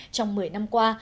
trong một mươi năm qua